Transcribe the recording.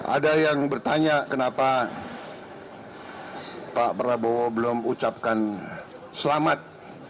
ada yang bertanya kenapa pak prabowo belum ucapkan selamat